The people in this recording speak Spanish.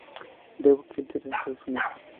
Debió exiliarse en Estados Unidos.